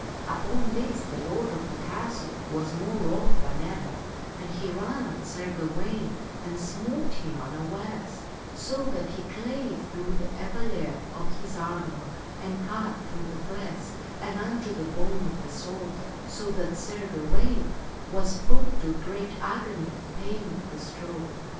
Upon this the lord of the castle was more wroth than eth Sir Gawatnf ' GveTf anc i h e ran at Sir Gawaine and smote him unawares, so that he clave through the epaulier of his armor and cut through the flesh and unto the bone of the shoulder, so that Sir Gawaine was put to a great agony of pain at the stroke.